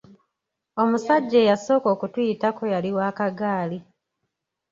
Omusajja eyasooka okutuyitako yali wa kagaali.